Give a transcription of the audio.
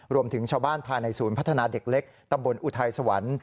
รวมถึงชาวบ้านภายในศูนย์พัฒนาเด็กเล็กตำบลอุทัยสวรรค์